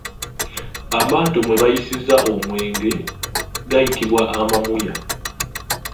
Amaato mwe bayiisizza omwenge gayitibwa Amamuya.